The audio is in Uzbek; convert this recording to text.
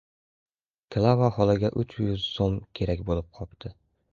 — Klava xolaga uch yuz so‘m kerak bo‘lib qopti.